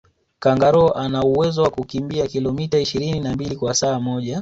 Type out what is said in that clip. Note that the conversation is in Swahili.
kangaroo anawezo kukimbia kilometa ishirini na mbili kwa saa moja